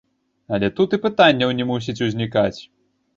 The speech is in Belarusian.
Але тут і пытанняў не мусіць узнікаць!